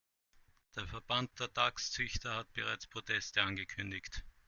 Der Verband der Dachszüchter hat bereits Proteste angekündigt.